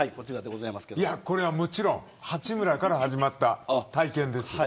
これは八村から始まった体験です。